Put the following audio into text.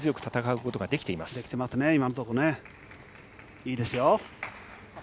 いいですよ。